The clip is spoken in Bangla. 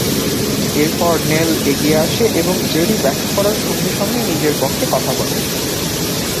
এরপর নেল এগিয়ে আসে এবং জেরি ব্যাখ্যা করার সঙ্গে সঙ্গে নিজের পক্ষে কথা বলে।